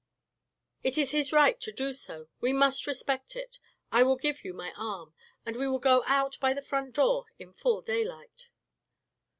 " It is his right to do so, we must respect it. I will give you my arm, and we will go out by the front door in full daylight."